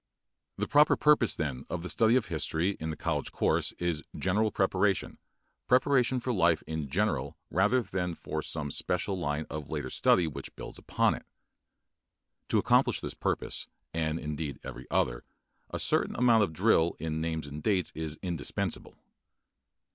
The proper purpose then of the study of history in the college course is general preparation preparation for life in general rather than for some special line of later study which builds upon it. To accomplish this purpose, and indeed every other, a certain amount of drill in names and dates is indispensable.